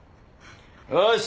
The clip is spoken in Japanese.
よし。